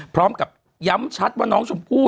พร้อมกับย้ำชัดว่าน้องชมพู่